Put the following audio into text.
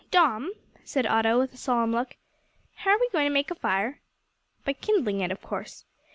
"Dom," said Otto, with a solemn look, "how are we to make a fire?" "By kindling it, of course."